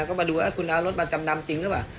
ก็มาดูว่าคุณเอารถมาจำนำจริงหรือเปล่า